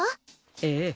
ええ。